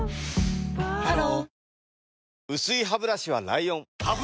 ハロー